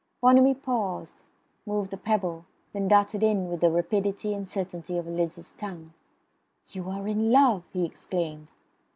Bonamy paused, moved a pebble; then darted in with the rapidity and certainty of a lizard's tongue. "You are in love!" he exclaimed.